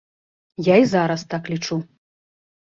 Я і зараз так лічу.